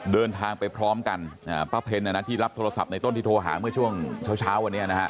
เดินทางไปพร้อมกันป้าเพ็ญที่รับโทรศัพท์ในต้นที่โทรหาเมื่อช่วงเช้าวันนี้นะฮะ